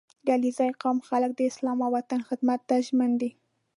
• د علیزي قوم خلک د اسلام او وطن خدمت ته ژمن دي.